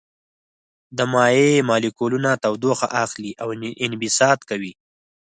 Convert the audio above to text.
د مایع مالیکولونه تودوخه اخلي او انبساط کوي.